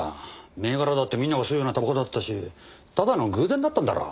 銘柄だってみんなが吸うようなタバコだったしただの偶然だったんだろう。